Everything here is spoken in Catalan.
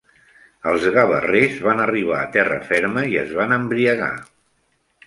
Els gavarrers van arribar a terra ferma i es van embriagar.